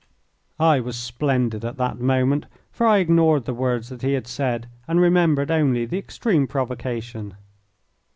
I was splendid at that moment, for I ignored the words that he had said and remembered only the extreme provocation.